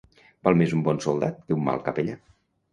Val més un bon soldat que un mal capellà.